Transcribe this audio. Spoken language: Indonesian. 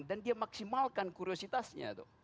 dan dia maksimalkan kuriositasnya